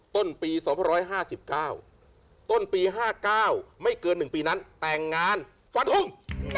ต้นปี๒๕๙ต้นปี๕๙ไม่เกิน๑ปีนั้นแต่งงานฟันทง